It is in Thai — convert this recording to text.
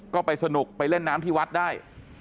ก็ไปสนุกไปเล่นน้ำที่วัดได้